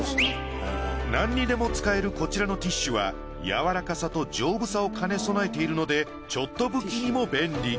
何にでも使えるこちらのティッシュは柔らかさと丈夫さを兼ね備えているのでちょっと拭きにも便利。